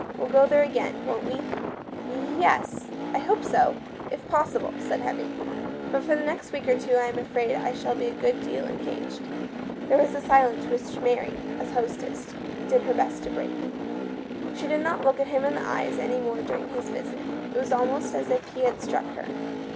We'll go there again, won't we ?" Y— es, I hope so, if possible," said Hem 166 THE STORY OF A MODERN WOMAN. ming ;" but for the next week or two I am afraid I shall be a good deal engaged." There was a silence which Mary, as hostess, did her best to break. She did not look at him in the eyes any more during his visit. It was almost as if he had struck her.